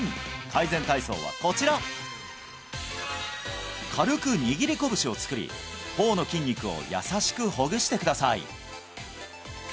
改善体操はこちら軽く握り拳を作り頬の筋肉を優しくほぐしてください